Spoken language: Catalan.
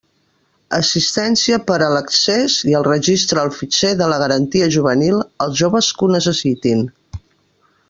Assistència per a l'accés i el registre al fitxer de la Garantia Juvenil als joves que ho necessitin.